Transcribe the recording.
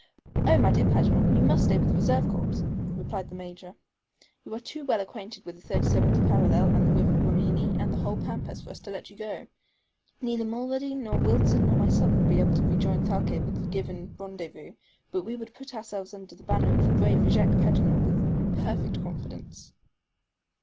"Oh, my dear Paganel, you must stay with the reserve corps," replied the Major. "You are too well acquainted with the 37th parallel and the river Guamini and the whole Pampas for us to let you go. Neither Mulrady, nor Wilson, nor myself would be able to rejoin Thalcave at the given rendezvous, but we will put ourselves under the banner of the brave Jacques Paganel with perfect confidence."